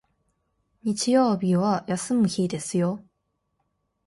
日曜日は休む日ですよ